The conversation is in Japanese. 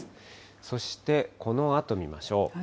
そしてこのあと見ましょう。